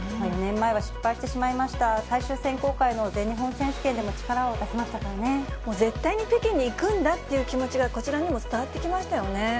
４年前は失敗してしまいました最終選考会の全日本選手権でも力をもう絶対に北京に行くんだっていう気持ちがこちらにも伝わってきましたよね。